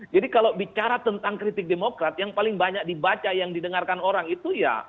jadi kalau bicara tentang kritik demokrat yang paling banyak dibaca yang didengarkan orang itu ya